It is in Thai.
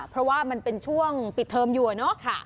เพราะว่ามันเป็นช่วงปิดเทอมอยู่อะเนาะ